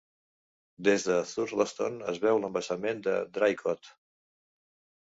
Des de Thurlaston es veu l'embassament de Draycote.